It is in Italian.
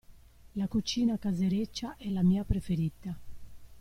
La cucina casereccia è la mia preferita.